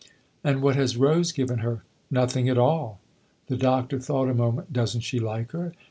" And what has Rose given her ?"" Nothing at all." The Doctor thought a moment. " Doesn't she like her